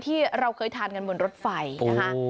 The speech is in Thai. ที่เราเคยทานกันบนรถไฟนะคะ